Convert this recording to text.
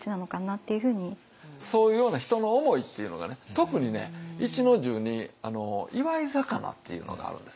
特にね一の重に祝い肴っていうのがあるんです。